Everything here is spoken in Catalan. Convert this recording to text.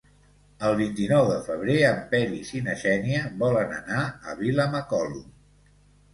El vint-i-nou de febrer en Peris i na Xènia volen anar a Vilamacolum.